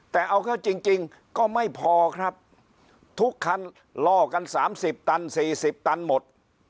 แต่เอาเข้าจริงจริงก็ไม่พอครับทุกคันลอกันสามสิบตันสี่สิบตันหมด